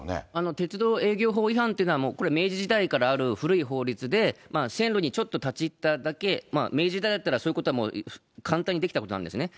鉄道営業法違反っていうのは、もうこれ、明治時代からある古い法律で、線路にちょっと立ち入っただけ、明治時代だったらそういうことはもう簡単にできたことなんですね。